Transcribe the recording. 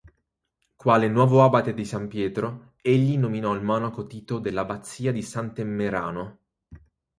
Quale nuovo abate di San Pietro, egli nominò il monaco Tito dell'abbazia di Sant'Emmerano.